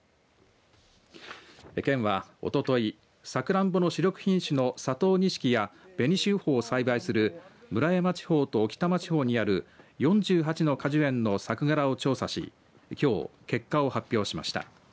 県は、おとといさくらんぼの主力品種の佐藤錦や紅秀峰を栽培する村山地方と置賜地方にある４８の果樹園の作柄を調査しきょう、結果を発表しました。